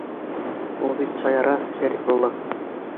Ул бит шаяра, Шәрифулла!